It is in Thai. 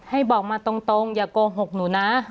ให้บอกมาตรงอย่าโกหกหนูนะ